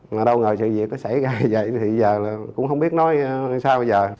mà đâu ngờ sự việc có xảy ra như vậy thì giờ cũng không biết nói sao bây giờ